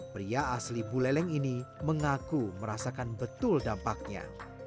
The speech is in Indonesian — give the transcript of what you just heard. pria asli buleleng ini mengaku merasakan betul dampaknya